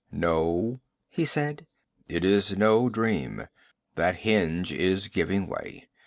'No,' he said, 'it's no dream. That hinge is giving way.